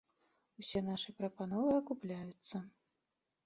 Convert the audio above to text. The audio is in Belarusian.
Усе нашы прапановы акупляюцца.